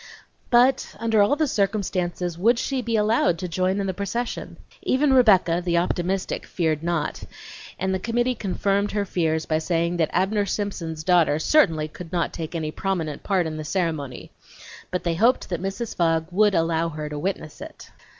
But, under all the circumstances, would she be allowed to join in the procession? Even Rebecca, the optimistic, feared not, and the committee confirmed her fears by saying that Abner Simpson's daughter certainly could not take any prominent part in the ceremony, but they hoped that Mrs. Fogg would allow her to witness it.